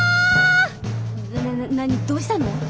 どうしたの？